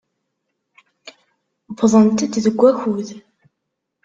Wwḍent-d deg wakud.